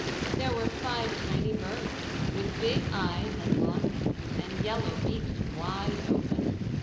there were five tiny birds, with big eyes and long necks, and yellow beaks wide open.